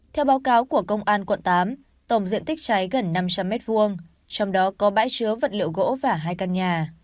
theo báo cáo của công an quận tám tổng diện tích cháy gần năm trăm linh m hai trong đó có bãi chứa vật liệu gỗ và hai căn nhà